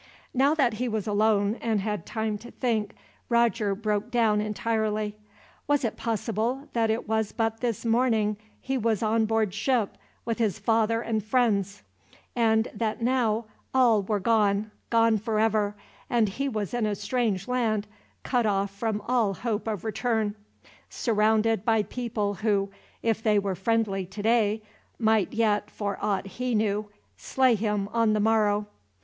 Now that he was alone and had time to think, Roger broke down entirely. Was it possible that it was but this morning he was on board ship, with his father and friends; and that now all were gone, gone forever, and he was in a strange land, cut off from all hope of return, surrounded by people who, if they were friendly today, might yet, for aught he knew, slay him on the morrow?